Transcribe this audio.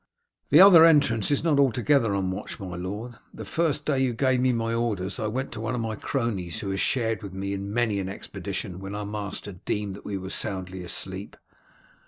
"The other entrance is not altogether unwatched, my lord. The first day you gave me my orders I went to one of my cronies, who has shared with me in many an expedition when our master deemed that we were soundly asleep.